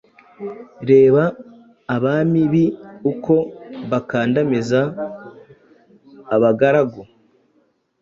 Reba abami bii uko bakandamiza abagaragu